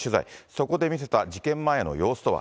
そこで見せた事件前の様子とは。